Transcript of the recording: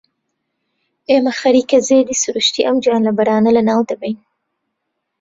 ئێمە خەریکە زێدی سروشتیی ئەم گیانلەبەرانە لەناو دەبەین.